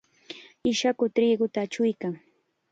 Ishaku triquta achuykan.